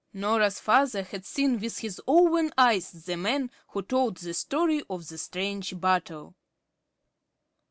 Norah's father had seen with his own eyes the man who told the story of the strange battle.